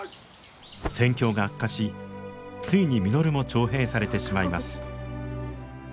戦況が悪化しついに稔も徴兵されてしまいます。